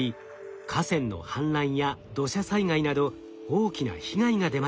河川の氾濫や土砂災害など大きな被害が出ました。